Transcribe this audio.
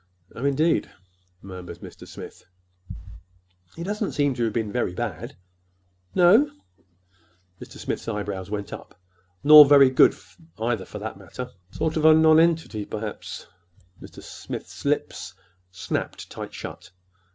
"Oh, indeed!" murmured Mr. Smith. "He doesn't seem to have been very bad." "No?" Mr. Smith's eyebrows went up. "Nor very good either, for that matter." "Sort of a—nonentity, perhaps." Mr. Smith's lips snapped tight shut.